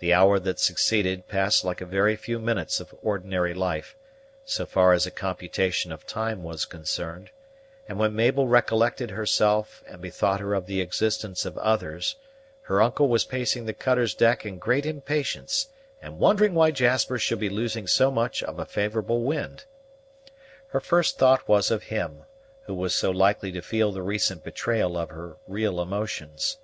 The hour that succeeded passed like a very few minutes of ordinary life, so far as a computation of time was concerned; and when Mabel recollected herself, and bethought her of the existence of others, her uncle was pacing the cutter's deck in great impatience, and wondering why Jasper should be losing so much of a favorable wind. Her first thought was of him, who was so likely to feel the recent betrayal of her real emotions.